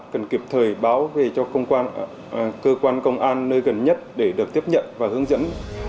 cần kịp thời báo về cho cơ quan công an nơi gần nhất để được tiếp nhận và hướng dẫn